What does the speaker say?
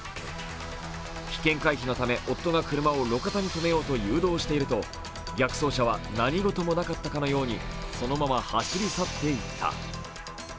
危険回避のため夫が車を路肩に止めようと誘導していると、逆走車は何事もなかったかのように、そのまま走り去っていた。